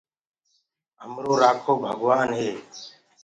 همرو رآکو ڀگوآن هي۔